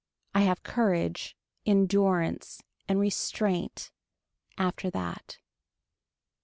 I have courage. Endurance. And restraint. After that.